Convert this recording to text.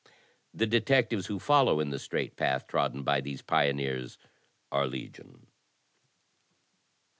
The detectives who follow in the straight path trodden by these pioneers are legion.